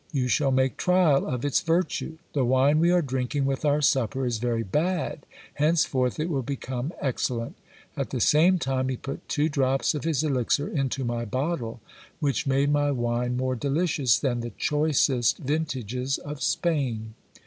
You shall make trial of its virtue. The wine we are drinking with our supper is very bad ; henceforth it will become excellent. At the same time he put two drops of his elixir into my bottle, which made my wine more delicious than the choicest vintages of Spain.